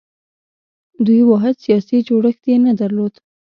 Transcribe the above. دوی واحد سیاسي جوړښت یې نه درلود